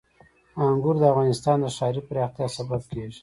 انګور د افغانستان د ښاري پراختیا سبب کېږي.